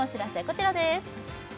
こちらです